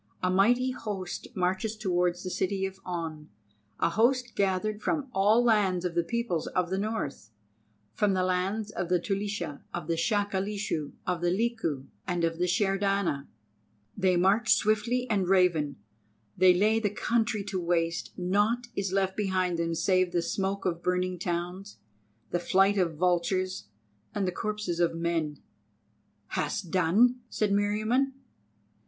A mighty host marches towards the city of On, a host gathered from all lands of the peoples of the North, from the lands of the Tulisha, of the Shakalishu, of the Liku, and of the Shairdana. They march swiftly and raven, they lay the country waste, naught is left behind them save the smoke of burning towns, the flight of vultures, and the corpses of men." "Hast done?" said Meriamun.